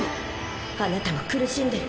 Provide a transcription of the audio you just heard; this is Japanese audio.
あなたも苦しんでる。